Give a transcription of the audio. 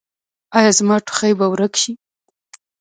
ایا زما ټوخی به ورک شي؟